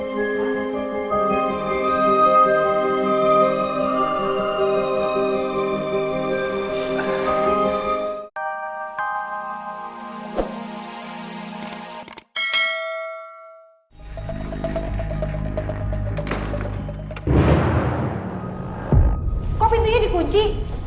kok pintunya dikunci